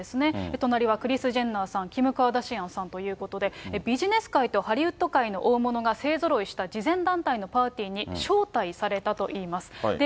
隣はクリス・ジェンナーさん、キム・カーダシアンさんということで、ビジネス界とハリウッド界が勢ぞろいした慈善団体のパーティーに招待されたといいます。